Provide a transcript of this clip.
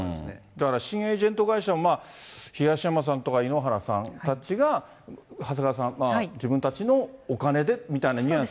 だから新エージェント会社も、東山さんとか井ノ原さんたちが長谷川さん、自分たちのお金でみたいなニュアンスで。